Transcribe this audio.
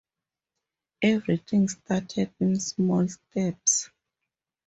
Everything started in small steps.